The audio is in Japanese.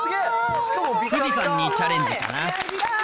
富士山にチャレンジかな。